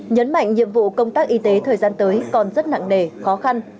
nhấn mạnh nhiệm vụ công tác y tế thời gian tới còn rất nặng nề khó khăn